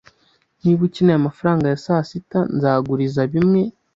Niba ukeneye amafaranga ya sasita, nzaguriza bimwe.